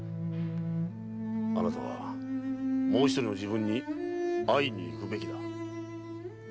あなたはもう一人の自分に会いに行くべきだ。